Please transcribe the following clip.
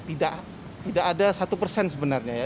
tidak ada satu persen sebenarnya ya